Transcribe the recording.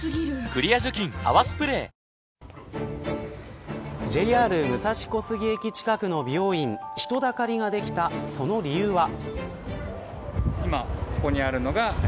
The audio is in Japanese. クリア除菌「泡スプレー」ＪＲ武蔵小杉駅近くの美容院人だかりができたその理由は。